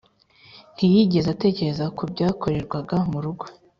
ntiyigeze atekereza ku byakorerwaga mu rugo.